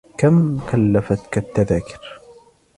كم كلّفتك التذاكر؟